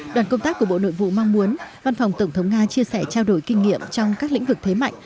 đoàn công tác của bộ nội vụ mong muốn văn phòng tổng thống nga chia sẻ trao đổi kinh nghiệm trong các lĩnh vực thế mạnh